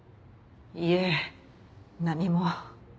いえ何も。